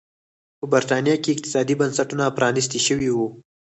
په برېټانیا کې اقتصادي بنسټونه پرانيستي شوي وو.